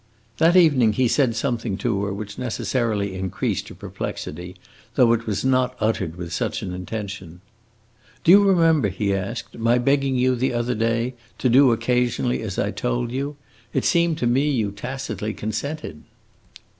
That evening he said something to her which necessarily increased her perplexity, though it was not uttered with such an intention. "Do you remember," he asked, "my begging you, the other day, to do occasionally as I told you? It seemed to me you tacitly consented."